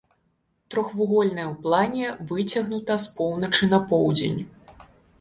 Трохвугольная ў плане, выцягнута з поўначы на поўдзень.